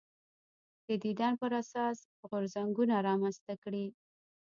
د دین پر اساس غورځنګونه رامنځته کړي